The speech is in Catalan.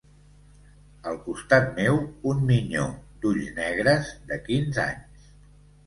Al costat meu, un minyó d'ulls negres, de quinze anys